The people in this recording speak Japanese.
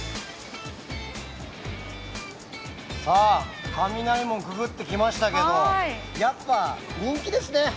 さあ、雷門くぐってきましたけどやっぱ人気ですね！